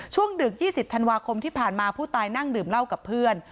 ดึก๒๐ธันวาคมที่ผ่านมาผู้ตายนั่งดื่มเหล้ากับเพื่อน